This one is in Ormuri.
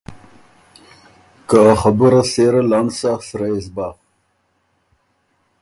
که ا خبُره سېره لنډ سۀ سرۀ يې سو بۀ۔